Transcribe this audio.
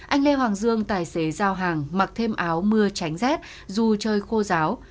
anh lê hoàng dương tài xế giao hàng mặc thêm áo mưa tránh rét dù trời khô giáo